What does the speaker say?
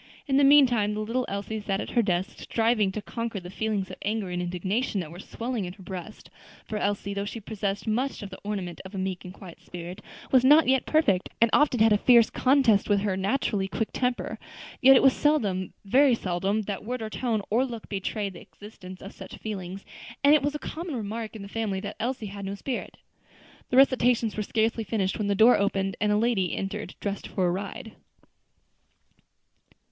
In the meantime the little Elsie sat at her desk, striving to conquer the feelings of anger and indignation that were swelling in her breast; for Elsie, though she possessed much of "the ornament of a meek and quiet spirit," was not yet perfect, and often had a fierce contest with her naturally quick temper. Yet it was seldom, very seldom that word or tone or look betrayed the existence of such feelings; and it was a common remark in the family that Elsie had no spirit. The recitations were scarcely finished when the door opened and a lady entered dressed for a ride.